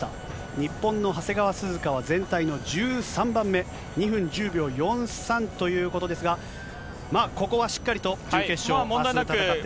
日本の長谷川涼香は全体の１３番目、２分１０秒４３ということですが、ここはしっかりと準決勝、問題なく戦って。